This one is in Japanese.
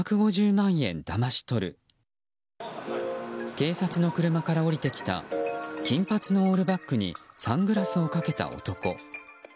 警察の車から降りてきた金髪のオールバックにサングラスをかけた男。